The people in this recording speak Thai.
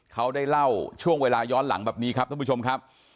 เขาได้เล่าช่วงเวลาย้อนหลังแบบนี้ครับท่านผู้ชมครับ